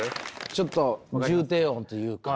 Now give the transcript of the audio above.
ちょっと重低音というか。